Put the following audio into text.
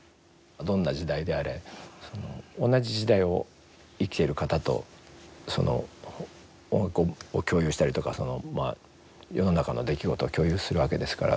どんな時代であれ同じ時代を生きている方と音楽を共有したりとか世の中の出来事を共有するわけですから。